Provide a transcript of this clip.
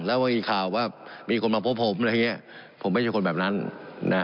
แล้วเมื่อกี้ข่าวว่ามีคนมาพบผมผมไม่ใช่คนแบบนั้นนะ